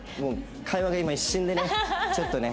会話が今一瞬でねちょっとね。